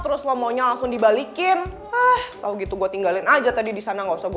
terus lo maunya langsung dibalikin tau gitu gue tinggalin aja tadi di sana nggak usah gue